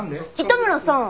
糸村さん。